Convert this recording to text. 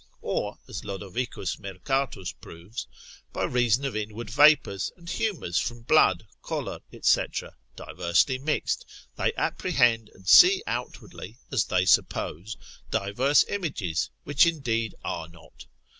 Or as Lod. Mercatus proves, by reason of inward vapours, and humours from blood, choler, &c. diversely mixed, they apprehend and see outwardly, as they suppose, divers images, which indeed are not.